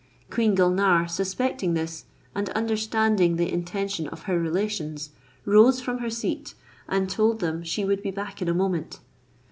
Queen Gulnare, suspecting this, and understanding the intention of her relations, rose from her seat, and told them she would be back in a moment.